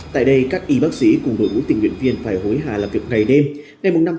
tại đây các y bác sĩ cùng đội ngũ tình nguyện viên phải hối hạ làm việc ngày đêm ngày năm chín